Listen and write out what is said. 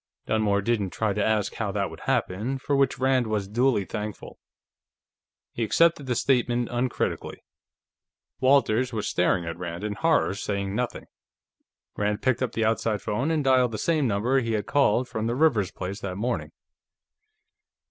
Dunmore didn't try to ask how that would happen, for which Rand was duly thankful; he accepted the statement uncritically. Walters was staring at Rand in horror, saying nothing. Rand picked up the outside phone and dialed the same number he had called from the Rivers place that morning.